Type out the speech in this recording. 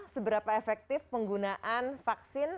seberapa efektif penggunaan vaksin